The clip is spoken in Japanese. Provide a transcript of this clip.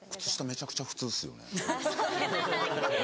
めちゃくちゃ普通っすよね。